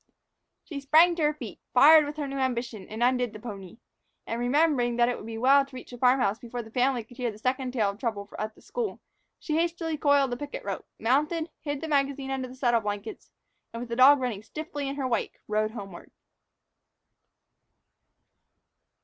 She sprang to her feet, fired with her new ambition, and undid the pony. And remembering that it would be as well to reach the farm house before the family could hear the second tale of trouble at the school, she hastily coiled the picket rope, mounted, hid the magazine under the saddle blankets, and, with the dog running stiffly in her wake, rode homeward.